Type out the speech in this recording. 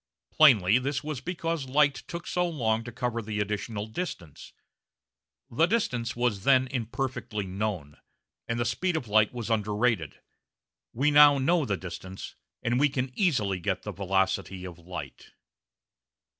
Plainly this was because light took so long to cover the additional distance. The distance was then imperfectly known, and the speed of light was underrated. We now know the distance, and we easily get the velocity of light.